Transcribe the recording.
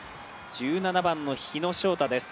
１７番の日野翔太です。